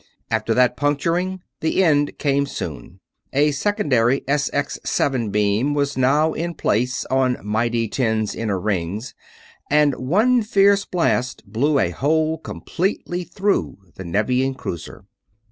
After that puncturing, the end came soon. A secondary SX7 beam was now in place on mighty Ten's inner rings, and one fierce blast blew a hole completely through the Nevian cruiser.